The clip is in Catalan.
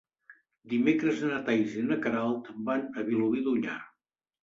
Dimecres na Thaís i na Queralt van a Vilobí d'Onyar.